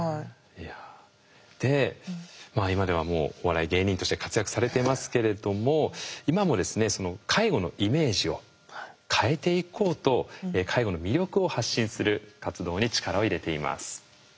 で今ではもうお笑い芸人として活躍されていますけれども今もですねその介護のイメージを変えていこうと介護の魅力を発信する活動に力を入れています。